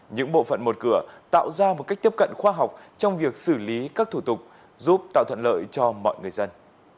những bộ phận một cửa tạo ra một cách tiếp cận khoa học trong việc xử lý các thủ tục giúp tạo thuận lợi cho mọi người dân